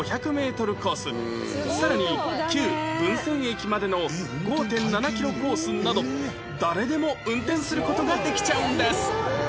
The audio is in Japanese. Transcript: さらに旧分線駅までの ５．７ キロコースなど誰でも運転する事ができちゃうんです